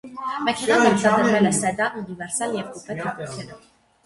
Մեքենան արտադրվել է սեդան, ունիվերսալ և կուպե թափքերով։